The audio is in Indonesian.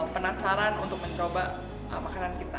penasaran untuk mencoba makanan kita